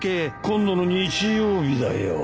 今度の日曜日だよ。